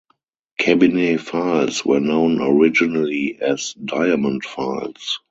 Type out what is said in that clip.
Cabinet files were known originally as Diamond files.